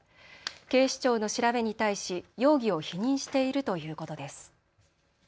警視庁の調べに対し容疑を否認しているということです。